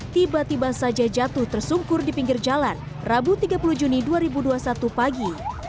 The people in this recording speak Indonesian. tiba tiba saja jatuh tersungkur di pinggir jalan rabu tiga puluh juni dua ribu dua puluh satu pagi